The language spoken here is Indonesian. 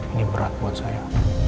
ini berat buat saya